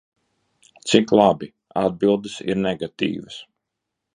Cik labi, atbildes ir negatīvas.